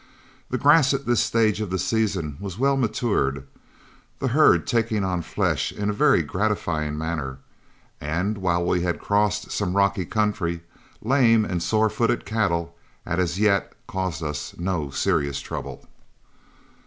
The grass at this stage of the season was well matured, the herd taking on flesh in a very gratifying manner, and, while we had crossed some rocky country, lame and sore footed cattle had as yet caused us no serious trouble.